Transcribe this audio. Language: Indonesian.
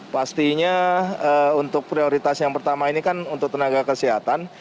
pastinya untuk prioritas yang pertama ini kan untuk tenaga kesehatan